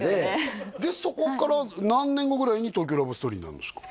でそこから何年後ぐらいに「東京ラブストーリー」なんですか？